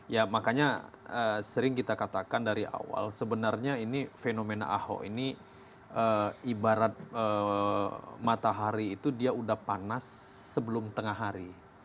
ya makanya sering kita katakan dari awal sebenarnya ini fenomena ahok ini ibarat matahari itu dia udah panas sebelum tengah hari